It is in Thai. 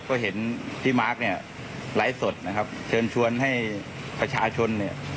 ก็เห็นพี่มาร์คเนี่ยไลฟ์สดนะครับเชิญชวนให้ประชาชนเนี่ย